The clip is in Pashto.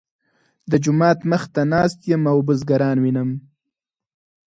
د جومات مخ ته ناست یم او بزګران وینم.